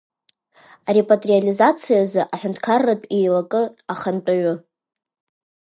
Арепатриациазы Аҳәынҭқарратә Еилакы ахантәаҩы…